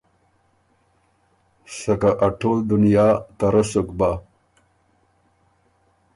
سکه اټول دنیا ته رۀ سُک بۀ